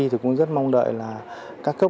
thì cũng rất mong đợi là các người dân